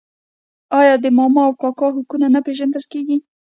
آیا د ماما او کاکا حقونه نه پیژندل کیږي؟